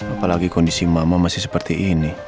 apalagi kondisi mama masih seperti ini